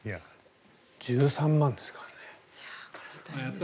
１３万円ですからね。